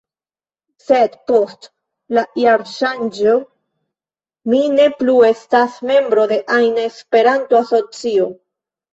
Sed post la jarŝanĝo mi ne plu estas membro de ajna Esperanto-asocio.